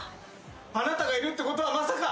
あなたがいるってことはまさか。